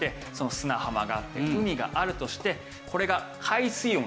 砂浜があって海があるとしてこれが海水温が高い。